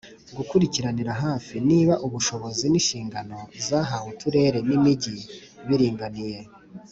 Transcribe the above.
gukurikiranira hafi niba ubushobozi n'inshingano zahawe uturere n'imijyi biringaniye